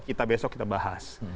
kita besok kita bahas